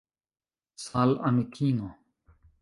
Sal' amikino